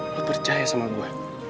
lo percaya sama gue